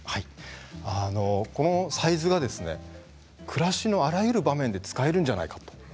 このサイズはですね暮らしのあらゆる場面で使えるんじゃないかと。